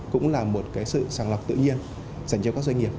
cũng là một cái sự sàng lọc tự nhiên dành cho các doanh nghiệp